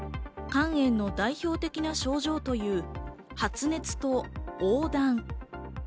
肝炎の代表的な症状という発熱と黄疸。